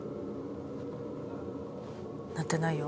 鳴ってないよ。